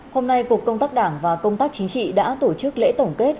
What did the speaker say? hôm nay cục công tác đảng và công tác chính trị đã tổ chức lễ tổng kết